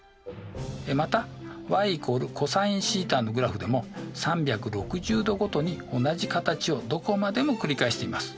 またｙ＝ｃｏｓθのグラフでも３６０°ごとに同じ形をどこまでも繰り返しています。